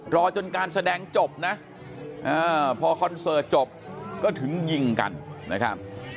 รอจนการแสดงจบนะพอคอนเสิร์ตจบก็ถึงยิงกันนะครับ